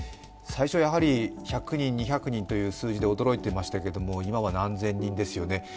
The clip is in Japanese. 最初、１００人、２００人という数字で驚いていましたが今は何千人ですよね。